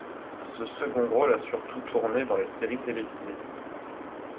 Ce second rôle a surtout tourné dans les séries télévisées.